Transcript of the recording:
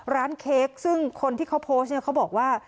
ร้านเค้กซึ่งคนที่เขาโพสต์เขาบอกว่า